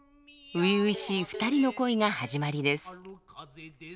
初々しい２人の恋が始まりです。